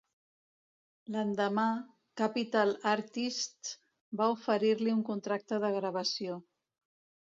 L'endemà, Capital Artists va oferir-li un contracte de gravació.